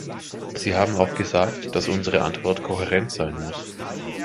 Sie haben auch gesagt, dass unsere Antwort kohärent sein muss.